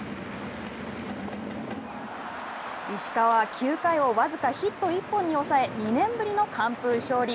石川は９回を僅かヒット１本に抑え２年ぶりの完封勝利。